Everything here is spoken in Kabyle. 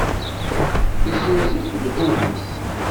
Tezzenz akk ddhub-is.